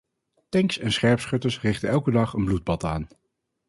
Tanks en scherpschutters richten elke dag een bloedbad aan.